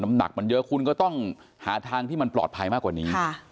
หนักมันเยอะคุณก็ต้องหาทางที่มันปลอดภัยมากกว่านี้